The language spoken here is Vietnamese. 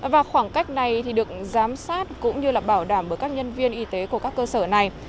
và khoảng cách này được giám sát cũng như là bảo đảm bởi các nhân viên y tế của các cơ sở này